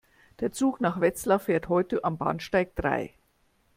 Der Zug nach Wetzlar fährt heute am Bahnsteig drei